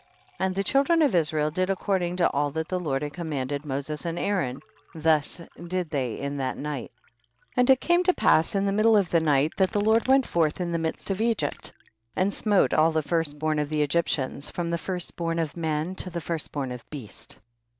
42. And the children of Israel did according to all that the Lord had commanded Moses and Aaron, thus did they in that night. 43. And it came to pass in the middle of the night, that the Lord went forth in the midst of Egypt, and smote all the first born of the Egyp tians, from the first born of man to the first born of beast.